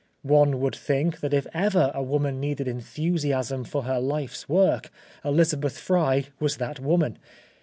One would think that if ever a woman needed enthusiasm for her life's work, Elizabeth Fry was that woman.